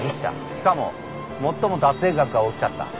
しかも最も脱税額が大きかった。